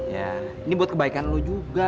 ya ini buat kebaikan lo juga